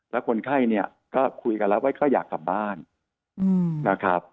แล้วคนไข้เนี่ยก็คุยกันแล้วว่าเขาอยากกลับบ้านนะครับ